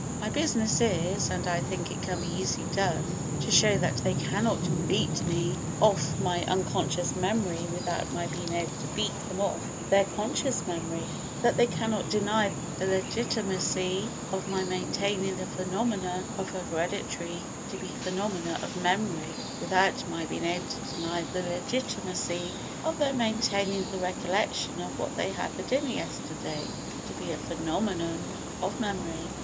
My business is—and I think it can be easily done—to show that they cannot beat me off my unconscious memory without my being able to beat them off their conscious memory; that they cannot deny the legitimacy of my maintaining the phenomena of heredity to be phenomena of memory without my being able to deny the legitimacy of their maintaining the recollection of what they had for dinner yesterday to be a phenomenon of memory.